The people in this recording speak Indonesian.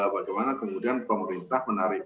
bagaimana kemudian pemerintah menarik